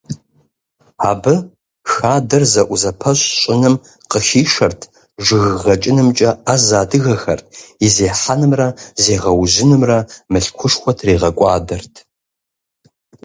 Абы хадэр зэӀузэпэщ щӀыным къыхишэрт жыг гъэкӀынымкӀэ Ӏэзэ адыгэхэр, и зехьэнымрэ зегъэужьынымрэ мылъкушхуэ тригъэкӀуадэрт.